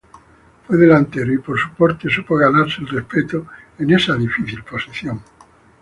Fue delantero y por su porte supo ganarse el respeto en esa difícil posición.